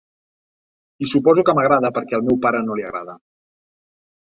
I suposo que m'agrada perquè al meu pare no li agrada.